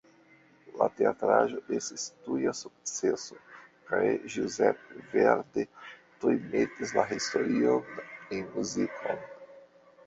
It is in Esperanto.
La teatraĵo estis tuja sukceso, kaj Giuseppe Verdi tuj metis la historion en muzikon.